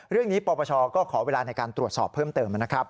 เรื่องนี้ปรปชก็ขอเวลาในการตรวจสอบเพิ่มเติมนะครับ